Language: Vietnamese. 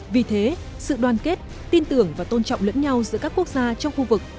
vì thế sự đoàn kết tin tưởng và tôn trọng lẫn nhau giữa các quốc gia trong khu vực